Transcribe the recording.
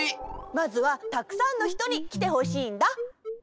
まずはたくさんのひとにきてほしいんだ。